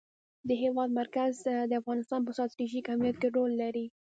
د هېواد مرکز د افغانستان په ستراتیژیک اهمیت کې رول لري.